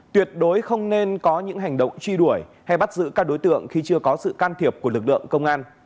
tuyệt đối không nên có những hành động truy đuổi hay bắt giữ các đối tượng khi chưa có sự can thiệp của lực lượng công an